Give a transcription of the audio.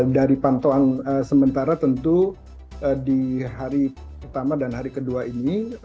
dari pantauan sementara tentu di hari pertama dan hari kedua ini